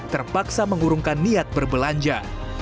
terpaksa mengurungkan niat berbelanja